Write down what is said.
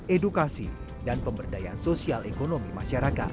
edukasi dan pemberdayaan sosial ekonomi masyarakat